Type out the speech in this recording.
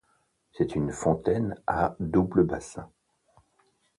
C'est une fontaine à double bassin.